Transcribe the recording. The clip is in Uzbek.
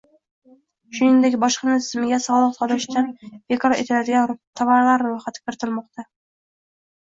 Shuningdek, bojxona tizimiga soliq solishdan ozod etiladigan tovarlar ro‘yxati kiritilmoqda